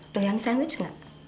doyang sandwich enggak